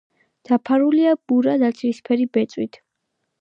დაფარულია მურა ნაცრისფერი ბეწვით.